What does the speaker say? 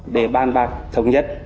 để ban bạc thống nhất